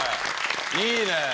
いいね。